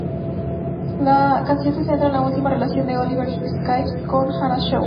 La canción se centra en la última relación de Oliver Sykes con Hannah Snowdon.